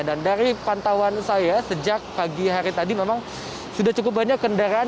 dan dari pantauan saya sejak pagi hari tadi memang sudah cukup banyak kendaraan